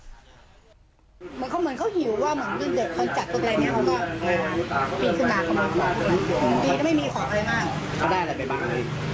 เหมือนเขาเหมือนเขาหิวว่าเหมือนเดี๋ยวเขาจัดทุกอะไรเนี่ยเขาก็ปีนขึ้นมาเขามาขอ